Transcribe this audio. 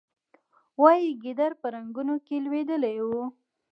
وایي ګیدړ په رنګونو کې لوېدلی و.